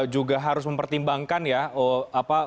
juga harus mempertimbangkan ya